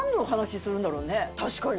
確かに！